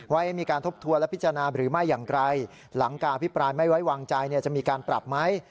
ไว้มีการทบทวนและพิจารณาหรือไม่อย่างไรหลังการอภิปรายไม่ไว้วางใจจะมีการปรับไหม